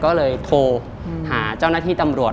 ก็เลยโทรหาเจ้าหน้าที่ตำรวจ